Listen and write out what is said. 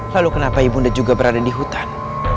lalu kenapa ibunda juga berada di hutan